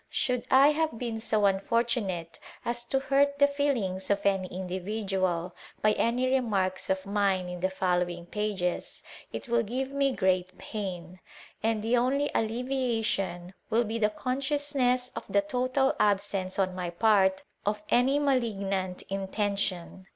Should have been so unfortunate as to hurt the feelings of a individual by any remarks of mine in the followi pages, it will give me great pain ; and the only allev tion will be the consciousness of the total absence my part of any malignant intention.